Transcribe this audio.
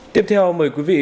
tiếp theo mời quý vị